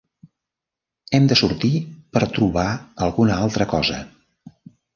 Hem de sortir per trobar alguna altra cosa.